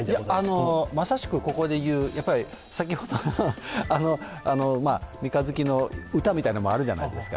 まさしくここで言う、三日月の歌みたいなのもあるじゃないですか。